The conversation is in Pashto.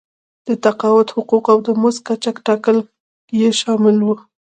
د تقاعد حقوق او د مزد کچه ټاکل یې شامل وو.